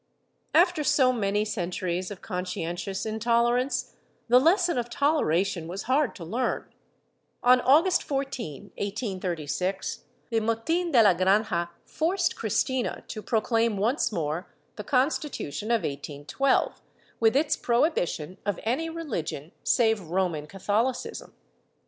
After so many centuries of conscientious intolerance, the lesson of toleration was hard to learn. On August 14, 1836, the Motin de la Granja forced Cristina to proclaim once more the Consti tution of 1812, with its prohibition of any religion save Roman Catholicism.